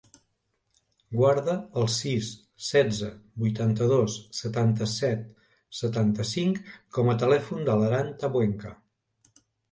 Guarda el sis, setze, vuitanta-dos, setanta-set, setanta-cinc com a telèfon de l'Aran Tabuenca.